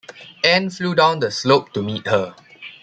Anne flew down the slope to meet her.